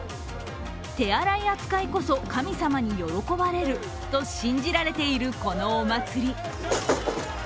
手荒い扱いこそ神様に喜ばれると信じられているこのお祭り。